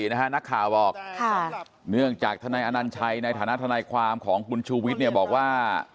นักข่าวบอกเนื่องจากทนายอนัญชัยในฐานะทนายความของคุณชูวิทย์เนี่ยบอกว่า